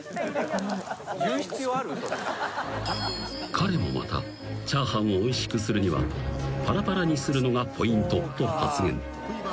［彼もまたチャーハンをおいしくするにはパラパラにするのがポイントと発言］